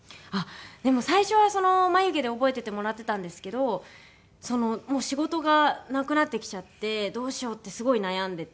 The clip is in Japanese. でも最初は眉毛で覚えててもらってたんですけどそのもう仕事がなくなってきちゃってどうしよう？ってすごい悩んでて。